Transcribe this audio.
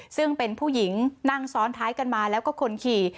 ซึ่งเป็นผู้หญิงนั่งซ้อนท้ายกันมาแล้วก็คนขี่